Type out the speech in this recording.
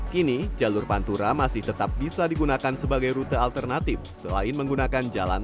kini jalur pantura masih tetap bisa digunakan sebagai rute alternatif selain menggunakan jalan